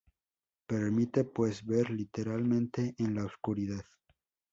Permite pues ver literalmente, en la oscuridad.